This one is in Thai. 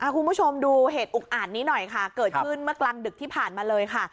คุณผู้ชมดูเหตุอุกอาจนี้หน่อยค่ะเกิดขึ้นเมื่อกลางดึกที่ผ่านมาเลยค่ะ